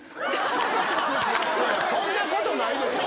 そんなことないでしょ！